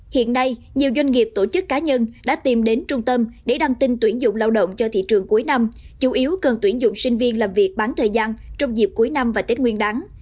hiện nay nhiều doanh nghiệp tổ chức cá nhân đã tìm đến trung tâm để đăng tin tuyển dụng lao động cho thị trường cuối năm chủ yếu cần tuyển dụng sinh viên làm việc bán thời gian trong dịp cuối năm và tết nguyên đáng